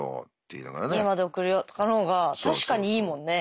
「家まで送るよ」とかの方が確かにいいもんね。